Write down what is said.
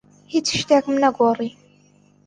هیچ شتێکم نەگۆڕی.